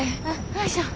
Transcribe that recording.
よいしょ。